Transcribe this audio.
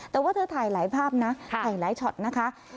แต่ว่าเธอถ่ายหลายภาพนะถ่ายหลายช็อตนะคะ